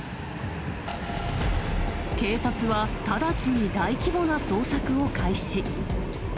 警察は直ちに大規模な捜索を開始。